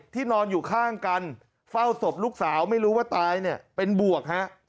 นอนอยู่ข้างกันเฝ้าศพลูกสาวไม่รู้ว่าตายเนี่ยเป็นบวกฮะ